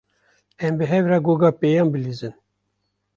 Em bi hev re goga pêyan bilîzin.